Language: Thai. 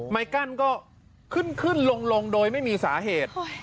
ไม้กั้นก็ขึ้นขึ้นลงโดยไม่มีสาเหตุ